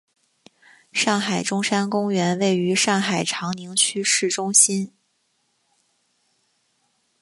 上海中山公园位于上海长宁区市中心。